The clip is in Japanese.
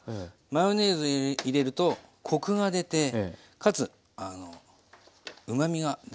マヨネーズ入れるとコクが出てかつうまみができます。